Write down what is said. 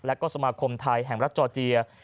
และก็สมาคมไทยแห่งรัฐจอร์เจีย